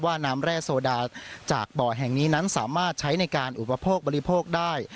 น้ำแร่โซดาจากบ่อแห่งนี้นั้นสามารถใช้ในการอุปโภคบริโภคได้